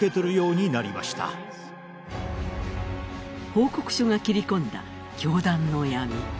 報告書が切り込んだ教団の闇。